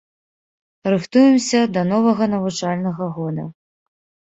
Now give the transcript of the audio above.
Рыхтуемся да новага навучальнага года.